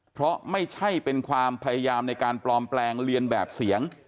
เพราะไม่ใช่เป็นความพยายามในการปลอมแปลงเรียนแบบเสียง